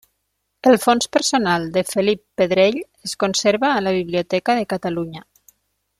El fons personal de Felip Pedrell es conserva a la Biblioteca de Catalunya.